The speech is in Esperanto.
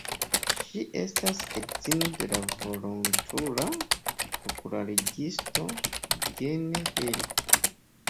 Ŝi estas edzino de la volontula popularigisto "Gene Hill".